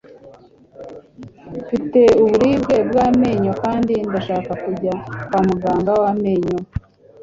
Mfite uburibwe bw'amenyo kandi ndashaka kujya kwa muganga w'amenyo